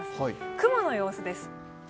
雲の様子です。